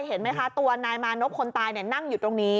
เห็นไหมคะตัวนายมานพคนตายนั่งอยู่ตรงนี้